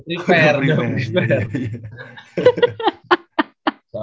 soalnya udah denger dari orang orang kan